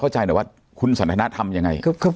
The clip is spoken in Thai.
เข้าใจหน่อยว่าคุณสันทนาทำยังไง